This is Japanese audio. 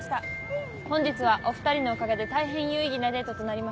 本日はお二人のおかげで大変有意義なデートとなりました。